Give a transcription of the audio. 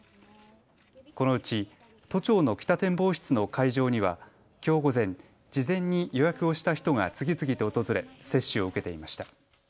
このうち都庁の北展望室の会場にはきょう午前、事前に予約をした人が次々と訪れ接種を受けていました。